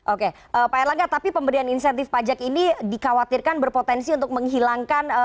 oke pak erlangga tapi pemberian insentif pajak ini dikhawatirkan berpotensi untuk menghilangkan